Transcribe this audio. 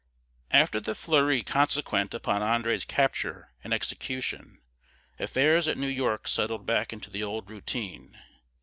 After the flurry consequent upon André's capture and execution, affairs at New York settled back into the old routine.